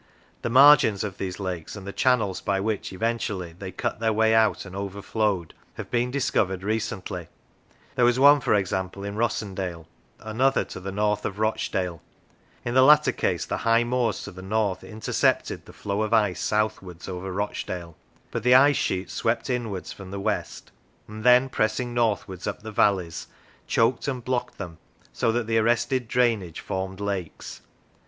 The margins of these lakes and the channels by which, eventually, they cut their way out and overflowed, have been dis covered recently; there was one, for example, in Rossendale; another to the north of Rochdale; in the latter case the high moors to the north intercepted the flow of ice southwards over Rochdale: but the ice sheet swept inwards from the west, and then pressing northwards up the valleys, choked and blocked them, so that the arrested drainage formed lakes.